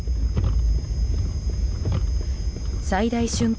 最大瞬間